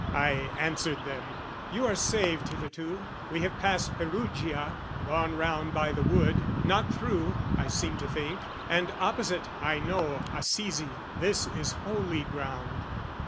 I answered them. "You are saved hitherto. "We have passed Perugia, gone round by the wood, "Not through, I seem to think, and opposite "I know Assisi; this is holy ground."